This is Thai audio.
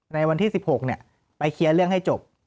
ในวันที่๑๖ไปเคลียร์เรื่องให้จบ